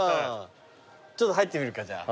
ちょっと入ってみるかじゃあ。